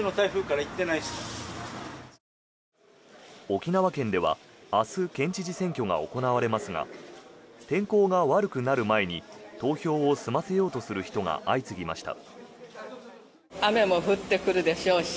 沖縄県では明日、県知事選挙が行われますが天候が悪くなる前に投票を済ませようとする人が相次ぎました。